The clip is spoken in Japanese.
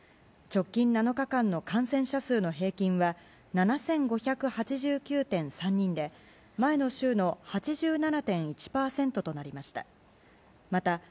直近７日間の感染者数の平均は７５８９．３人で前の週の８７．１％となりました。